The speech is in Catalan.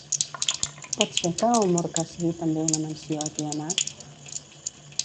Pot ser que Omorca sigui també una menció a Tiamat?